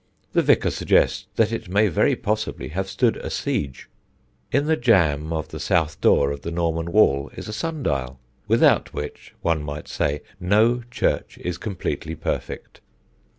The vicar suggests that it may very possibly have stood a siege. In the jamb of the south door of the Norman wall is a sundial, without which, one might say, no church is completely perfect.